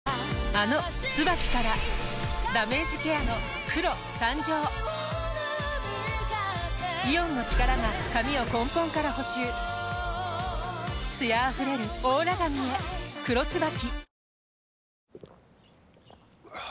あの「ＴＳＵＢＡＫＩ」からダメージケアの黒誕生イオンの力が髪を根本から補修艶あふれるオーラ髪へ「黒ＴＳＵＢＡＫＩ」